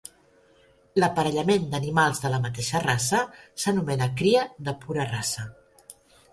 L'aparellament d'animals de la mateixa raça s'anomena cria de pura raça.